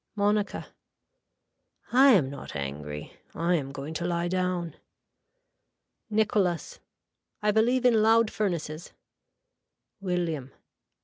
(Monica.) I am not angry I am going to lie down. (Nicholas.) I believe in loud furnaces. (William.)